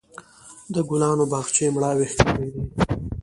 د ګلانو باغچې مړاوې ښکارېدې.